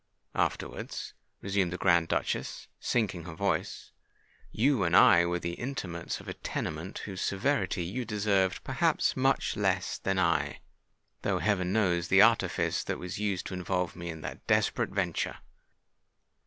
"Afterwards," resumed the Grand Duchess, sinking her voice, "you and I were the inmates of a tenement whose severity you deserved perhaps much less than I—though heaven knows the artifice that was used to involve me in that desperate venture!"